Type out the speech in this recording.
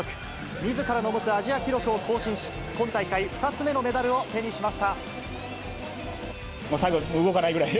みずからの持つアジア記録を更新し、今大会２つ目のメダルを手に最後、もう動けないぐらいい